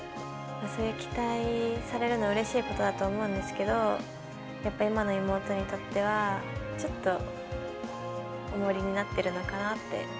期待されるのはうれしいことだと思うんですけど、やっぱり今の妹にとっては、ちょっと重荷になってるのかなって。